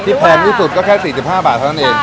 แพงที่สุดก็แค่๔๕บาทเท่านั้นเอง